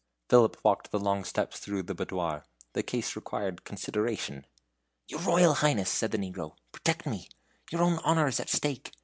Philip walked with long steps through the boudoir. The case required consideration. "Your Royal Highness," said the negro, "protect me. Your own honor is at stake.